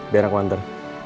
biar aku hantar